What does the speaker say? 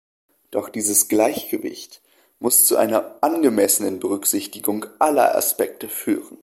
Doch dieses Gleichgewicht muss zu einer angemessenen Berücksichtigung aller Aspekte führen.